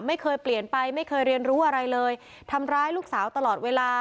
ไม่เคยเปลี่ยนไปไม่เคยเรียนรู้อะไรเลยทำร้ายลูกสาวตลอดเวลา